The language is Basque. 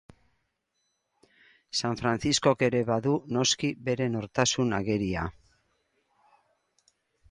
San Frantziskok ere badu, noski, bere nortasun ageria.